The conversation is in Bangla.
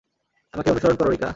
আমাকে অনুসরন করো, রিকা।